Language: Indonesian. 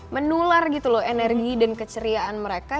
menular gitu loh energi dan keceriaan mereka